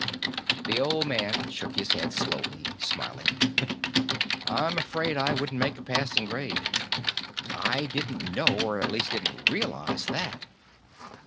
The old man shook his head slowly, smiling. "I'm afraid I wouldn't make a passing grade. I didn't know, or at least didn't realize, that.